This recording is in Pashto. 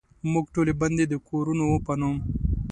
موږ ټولې بندې دکورونو په نوم،